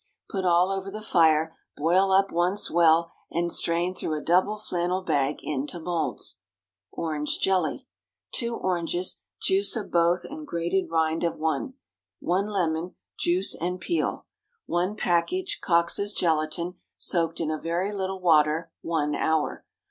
Put all over the fire, boil up once well, and strain through a double flannel bag into moulds. ORANGE JELLY. ✠ 2 oranges—juice of both and grated rind of one. 1 lemon—juice and peel. 1 package Coxe's gelatine, soaked in a very little water, one hour.